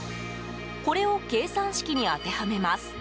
これを計算式に当てはめます。